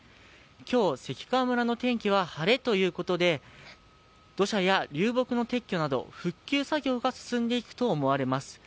今日、関川村の天気は晴れということで土砂や流木の撤去など復旧作業が進んでいくと思われます。